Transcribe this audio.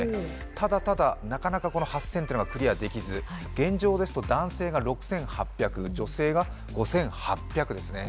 ただただ、なかなかこの８０００というのがクリアできず、現状ですと、男性が６８００、女性が５８００ですね。